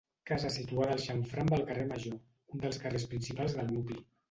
Casa situada al xamfrà amb el Carrer Major, un dels carrers principals del nucli.